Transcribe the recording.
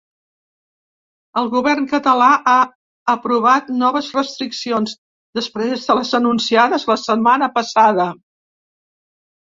El govern català ha aprovat noves restriccions, després de les anunciades la setmana passada.